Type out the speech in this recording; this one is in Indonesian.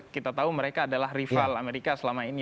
kita tahu mereka adalah rival amerika selama ini